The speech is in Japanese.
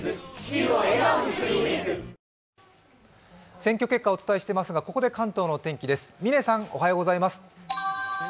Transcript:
選挙結果をお伝えしていますがここで関東のお天気です。